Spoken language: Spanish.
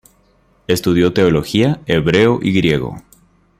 Estudió teología, hebreo y griego.